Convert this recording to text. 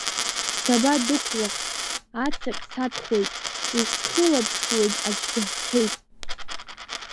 Сабадәықәлах, ацаҟь садхоит, исхылаԥшуагь аӡә дыҳәҳәеит…